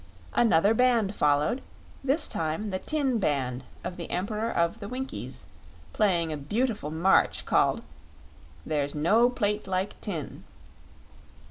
Another band followed, this time the Tin Band of the Emperor of the Winkies, playing a beautiful march called, "There's No Plate Like Tin."